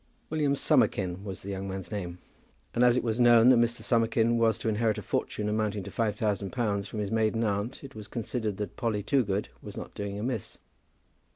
William Summerkin was the young man's name; and as it was known that Mr. Summerkin was to inherit a fortune amounting to five thousand pounds from his maiden aunt, it was considered that Polly Toogood was not doing amiss.